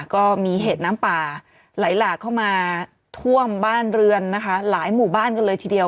ก็มีเหตุน้ำป่าไหลหลากเข้ามาท่วมบ้านเรือนนะคะหลายหมู่บ้านกันเลยทีเดียว